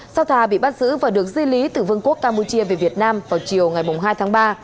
sau thà bị bắt giữ và được di lý từ vương quốc campuchia về việt nam vào chiều ngày hai tháng ba